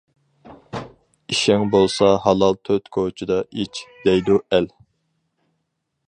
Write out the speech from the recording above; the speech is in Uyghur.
«ئېشىڭ بولسا ھالال تۆت كوچىدا ئىچ» دەيدۇ ئەل.